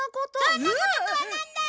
そんなこととはなんだ！